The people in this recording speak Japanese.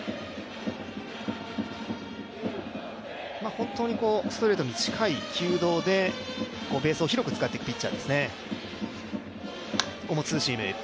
本当にストレートに近い球動でベースを広く使っていくピッチャーですね。